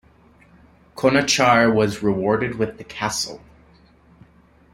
Conachar was rewarded with the castle.